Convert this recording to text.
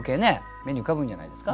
目に浮かぶんじゃないですか？